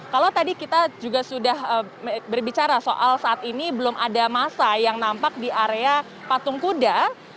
kalau tadi kita juga sudah berbicara soal saat ini belum ada masa yang nampak di area patung kuda